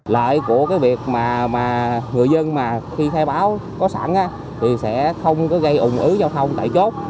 lợi của việc người dân khi khai báo có sẵn thì sẽ không gây ủng ứ giao thông tại chốt